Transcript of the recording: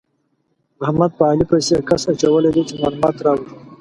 احمد په علي پسې کس اچولی دی چې مالومات راوړي.